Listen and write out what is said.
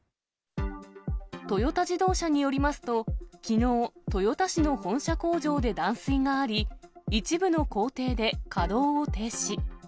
トヨタ自動車によりますと、きのう、豊田市の本社工場で断水があり、一部の工程で稼働を停止。